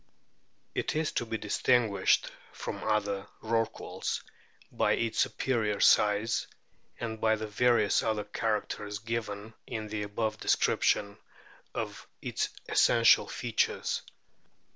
It is to be distinguished from other Rorquals j by its superior size, and by the various other characters given in the above description of its essential features.